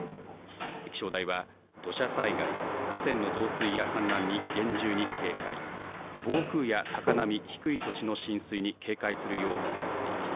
気象台は土砂災害、河川の増水や氾濫に厳重に警戒、暴風や高波、低い土地の浸水に警戒するよう呼びかけています。